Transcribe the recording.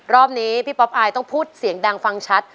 รอบนี้พี่ป๊อปอายต้องพูดเสียงดังฟังชัด